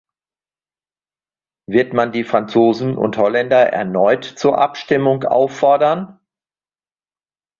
Wird man die Franzosen und Holländer erneut zur Abstimmung auffordern?